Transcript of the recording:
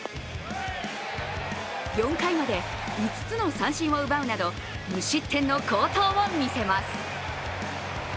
４回まで５つの三振を奪うなど無失点の好投をみせます。